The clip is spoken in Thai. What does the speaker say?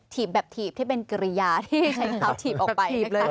ถีบแบบถีบที่เป็นกิริยาที่ใช้เท้าถีบออกไป